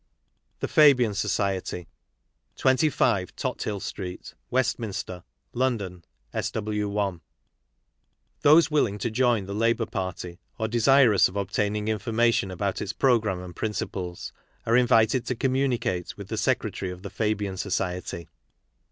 THE FABIAN SOCIETY 25, TOTHILL STREET, WESTMINSTER, LONDON, S.W.i. Those willing to join the Labour Party, or desirous of obtaining information about Its Programme and Principles, are invited to communicate with the Secretary of the Fabian Society.